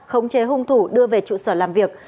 khống chế hung thủ đưa về trụ sở làm việc